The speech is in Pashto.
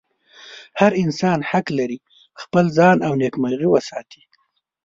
هر انسان حق لري خپل ځان او نېکمرغي وساتي.